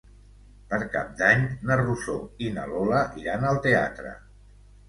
Per Cap d'Any na Rosó i na Lola iran al teatre.